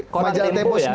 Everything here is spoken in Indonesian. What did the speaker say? koran tempo ya